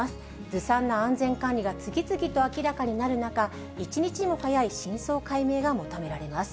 ずさんな安全管理が次々と明らかになる中、一日も早い真相解明が求められます。